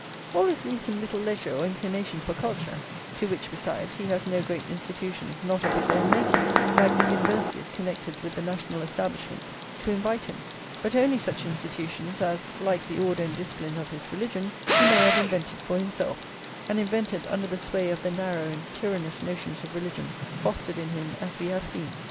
All this leaves him little leisure or inclination for culture; to which, besides, he has no great institutions not of his own making, like the Universities connected with the national Establishment, to invite him; but only such institutions as, like the order and discipline of his religion, he may have invented for himself, and invented under the sway of the narrow and tyrannous notions of religion fostered in him as we have seen.